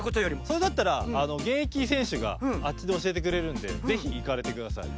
それだったらげんえきせんしゅがあっちでおしえてくれるんでぜひいかれてください。